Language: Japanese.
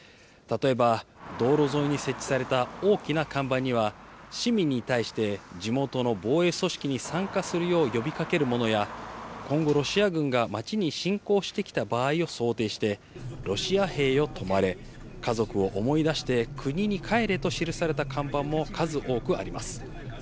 例えば、道路沿いに設置された大きな看板には、市民に対して、地元の防衛組織に参加するよう呼びかけるものや、今後、ロシア軍が町に侵攻してきた場合を想定して、ロシア兵よ止まれ、家族を思い出して国に帰れと記された看板も数多くあります。